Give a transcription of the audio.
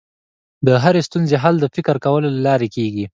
د هرې ستونزې حل د فکر کولو له لارې کېږي.